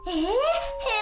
えっ！？